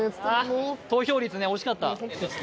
もう投票率ね惜しかった